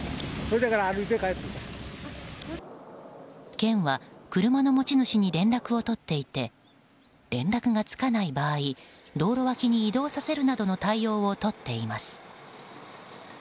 県は車の持ち主に連絡を取っていて連絡がつかない場合道路脇に移動させるなどの対応をとっています。